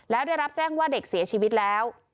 แล้วได้รับแจ้งว่าเด็กเสียชีวิตแล้ว